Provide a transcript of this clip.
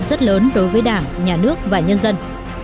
rất lớn đối với đảng nhà nước và nhân dân